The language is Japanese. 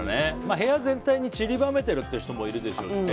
部屋全体にちりばめている人もいるでしょうね。